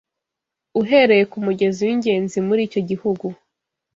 uhereye kumugezi wingenzi muri icyo gihugu